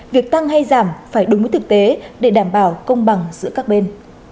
việc tăng hay giảm phải đúng với thực tế để đảm bảo công bằng giữa các bên